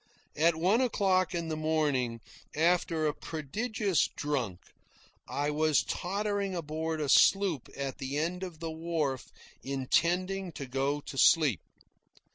At one o'clock in the morning, after a prodigious drunk, I was tottering aboard a sloop at the end of the wharf, intending to go to sleep.